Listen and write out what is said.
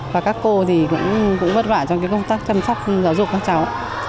và các cô thì cũng vất vả trong công tác chăm sóc giáo dục các cháu